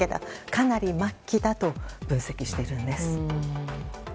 かなり末期だと分析しているんです。